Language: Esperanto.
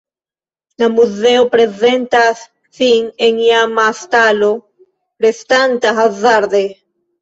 La muzeo prezentas sin en iama stalo restanta hazarde.